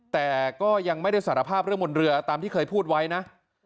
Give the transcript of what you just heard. แต่ก็ยังไม่ได้สารภาพเรื่องบนเรือตามที่เคยพูดไว้นะ